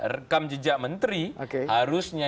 rekam jejak menteri harusnya